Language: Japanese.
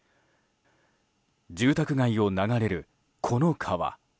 住宅街を流れる、この川。